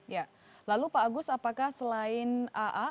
ya lalu pak agus apakah selain aa